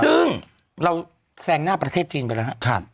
ซึ่งเราแซงหน้าประเทศจีนไปแล้วครับ